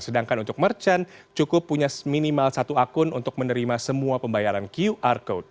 sedangkan untuk merchant cukup punya minimal satu akun untuk menerima semua pembayaran qr code